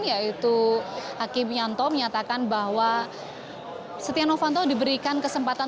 yaitu hakim yanto menyatakan bahwa setia novanto diberikan kesempatan